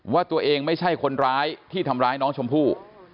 ว่าตัวเองไม่ใช่คนร้ายที่ทำร้ายน้องชมพู่